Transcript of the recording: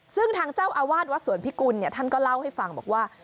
ซึ่งทางเจ้าอาวาสวัดสวนพิกุลท่านก็เล่าให้ฟังบอกว่า